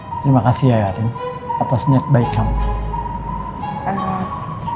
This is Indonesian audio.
ya terima kasih ya arin atas niat baik kamu